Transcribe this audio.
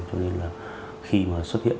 cho nên là khi mà xuất hiện